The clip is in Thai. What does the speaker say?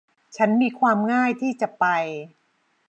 ฉันมีความง่ายที่จะไป